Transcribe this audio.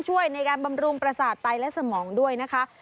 ช่วยในการบำรุงประสาทไตและสมองด้วยนะคะ